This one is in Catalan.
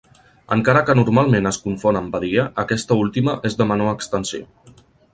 Encara que normalment es confon amb badia, aquesta última és de menor extensió.